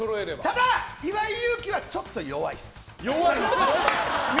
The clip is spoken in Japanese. ただ、岩井勇気はちょっと弱いっす。